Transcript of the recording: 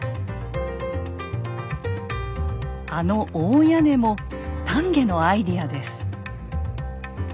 あの大屋根も丹下のアイデアです。